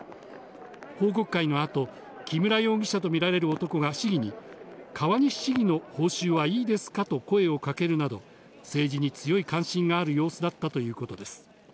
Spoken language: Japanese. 報告会のあと、木村容疑者と見られる男が市議に、川西市議の報酬はいいですかと声をかけるなど、政治に強い関心がある様子だったということです。